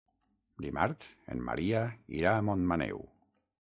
Dimarts en Maria irà a Montmaneu.